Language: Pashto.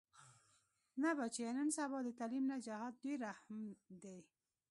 نه بچيه نن سبا د تعليم نه جهاد ډېر اهم دې.